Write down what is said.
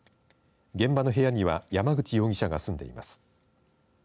現場の部屋には山口容疑者が住んでいます。